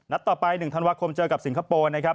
ต่อไป๑ธันวาคมเจอกับสิงคโปร์นะครับ